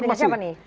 negosiasi apa nih